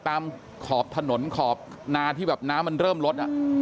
ขอบถนนขอบนาที่แบบน้ำมันเริ่มลด